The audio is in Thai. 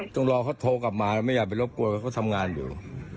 ต้องรอเขาโทรกลับมาไม่อยากไปรบกวนว่าเขาทำงานอยู่